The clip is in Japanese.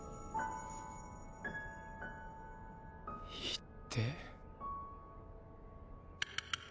いってぇ。